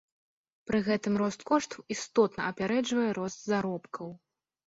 Пры гэтым рост коштаў істотна апярэджвае рост заробкаў.